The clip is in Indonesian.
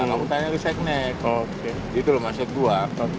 jangan kamu tanya riset nek itu maksud gua